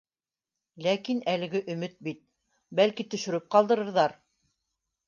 Ләкин әлеге өмөт бит, бәлки, төшөрөп ҡалдырырҙар